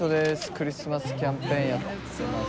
クリスマスキャンペーンやってます。